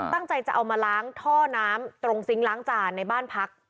ตั้งใจจะเอามาล้างท่อน้ำตรงซิงค์ล้างจานในบ้านพัก